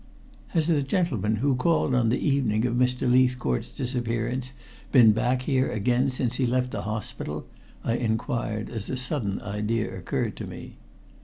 "Has the gentleman who called on the evening of Mr. Leithcourt's disappearance been back here again since he left the hospital?" I inquired as a sudden idea occurred to me.